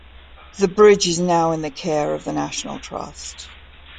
The bridge is now in the care of the National Trust.